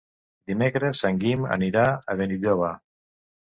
Dimecres en Guim anirà a Benilloba.